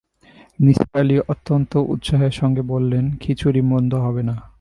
নিসার আলি অত্যন্ত উৎসাহের সঙ্গে বললেন, খিচুড়ি মন্দ হবে না।